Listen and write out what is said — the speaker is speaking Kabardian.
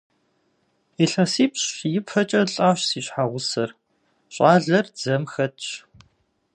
ИлъэсипщӀ ипэкӀэ лӀащ си щхьэгъусэр, щӀалэр дзэм хэтщ.